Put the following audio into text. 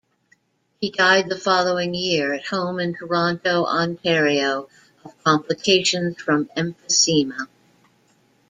He died the following year at home in Toronto, Ontario, of complications from emphysema.